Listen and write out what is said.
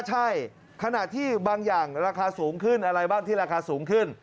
ใช่ขณะที่บางอย่างราคาสูงขึ้นอะไรบ้างที่ราคาสูงขึ้น